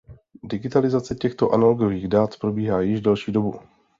Digitalizace těchto analogových dat probíhá již delší dobu.